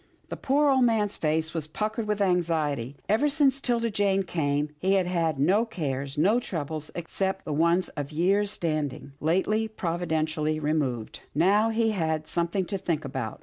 The poor old man's face was puckered with anxiety. Ever since 'Tilda Jane came, he had had no cares, no troubles, except the one of years' stand ing, lately providentially removed. Now he had something to think about.